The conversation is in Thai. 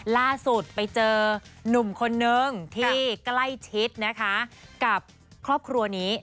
ล่าสุดไปเจอนุ่มคนนึงที่ใกล้ชิดนะคะกับครอบครัวนี้